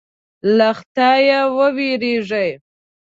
له خدایه وېرېږي.